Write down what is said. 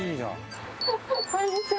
こんにちは。